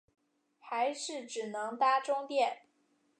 还是只能搭终电